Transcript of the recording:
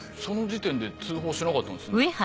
その時点で通報しなかったんすね？